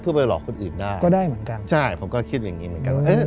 เพื่อไปหลอกคนอื่นได้ใช่ผมก็คิดอย่างนี้เหมือนกันว่าเอ๊ะ